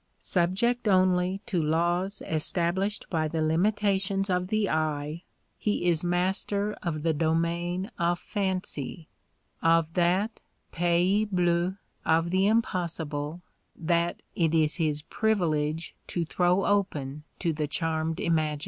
Subject only to laws established by the limitations of the eye, he is master of the domain of fancy, of that pays bleu of the impossible that it is his privilege to throw open to the charmed imagination.